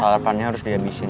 kalepannya harus dihabisin